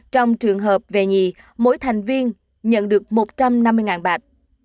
trong trường hợp về nhì mỗi thành viên nhận được một trăm năm mươi bạc